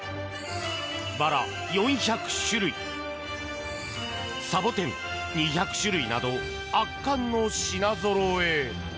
バラ、４００種類サボテン、２００種類など圧巻の品ぞろえ！